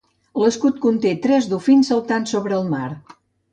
L'escut conté tres dofins saltant sobre el mar.